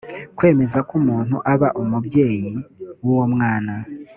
kwemeza ko umuntu aba umubyeyi w uwo mwana